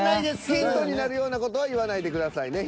ヒントになるような事は言わないでくださいね。